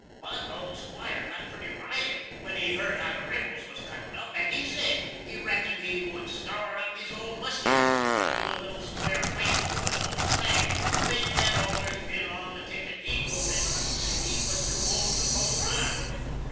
But the old 'Squire got putty riley, when he heard how the rebels was cuttin up, and he sed he reckoned he should skour up his old muskit and do a little square fitin for the Old Flag, which had allers bin on the ticket HE'D voted, and he was too old to Bolt now.